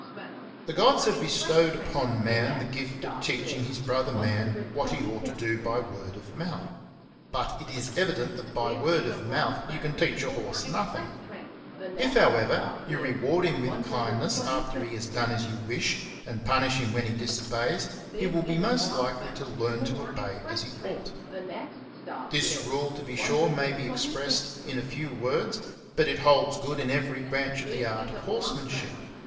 The gods have bestowed upon man the gift of teaching his brother man what he ought to do by word of mouth ; but it is evident that by word of mouth you can teach a horse nothing. If, however, you reward him with kindness after he has done as you wish, and punish him when he disobeys, he will be most likely to learn to obey as he ought. This rule, to be sure, may be expressed in a few words, but it holds good in every branch of the art of horsemanship.